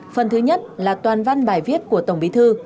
phần thứ nhất là toàn văn bài viết của tổng bí thư